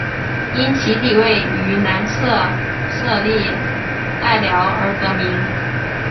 因其地位于南侧设立隘寮而得名。